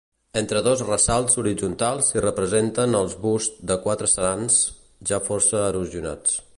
Entre dos ressalts horitzontals s'hi representen els busts de quatre sants, ja força erosionats.